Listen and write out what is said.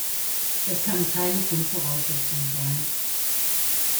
Das kann keine Grundvoraussetzung sein.